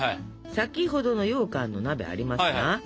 先ほどのようかんの鍋ありますな？